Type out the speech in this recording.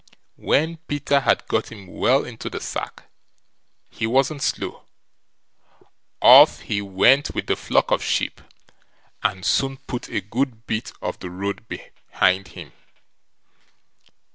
When Peter had got him well into the sack, he wasn't slow; off he went with the flock of sheep, and soon put a good bit of the road behind him.